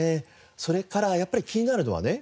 それからやっぱり気になるのはね